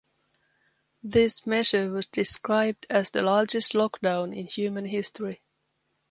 This measure was described as the largest lockdown in human history.